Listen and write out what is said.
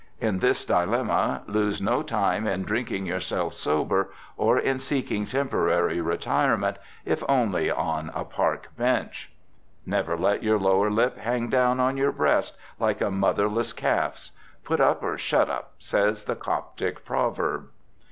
In this dilemma, lose no time in drinking yourself sober, or in seeking temporary retirement, if only on a park bench. Never let your lower lip hang down on your breast, like a motherless calf's. "Put up or shut up," says the Coptic proverb.